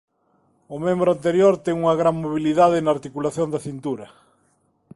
O membro anterior ten unha gran mobilidade na articulación da cintura.